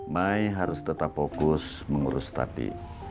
may harus tetap fokus mengurus stati